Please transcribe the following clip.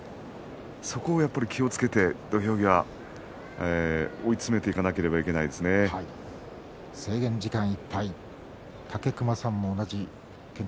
そこをやっぱり気をつけて土俵際追い詰めていかなければ制限時間いっぱい。